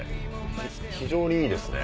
非常にいいですね。